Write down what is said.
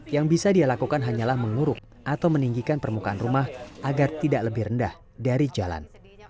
yang bisa dia lakukan hanyalah menguruk atau meninggikan permukaan rumah agar tidak lebih rendah dari jalan